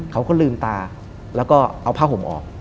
เขาก็ลืมตาแล้วก็เอาผ้าห่มออก